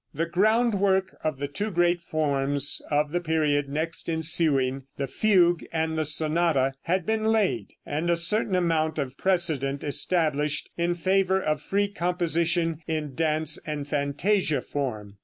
The groundwork of the two great forms of the period next ensuing, the fugue and the sonata, had been laid, and a certain amount of precedent established in favor of free composition in dance and fantasia form.